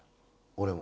俺も。